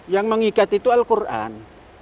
yang mengikat itu al quran